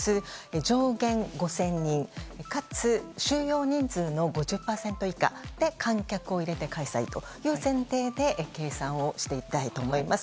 上限５０００人かつ収容人数の５０％以下の観客を入れて開催という前提で計算をしたいと思います。